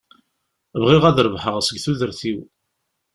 Bɣiɣ ad rebḥeɣ seg tudert-iw.